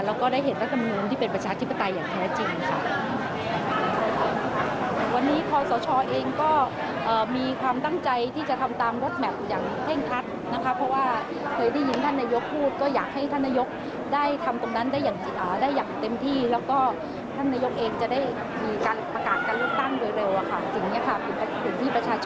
แล้วก็ได้เห็นรัฐมนูลที่เป็นประชาธิปไตยอย่างแท้จริงค่ะ